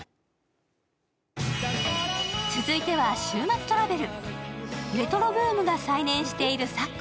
続いては「週末トラベル」。